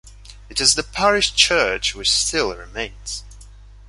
It is the parish church which still remains.